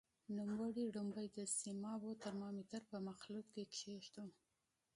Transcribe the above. نوموړی لومړی د سیمابو ترمامتر په مخلوط کې کېښود.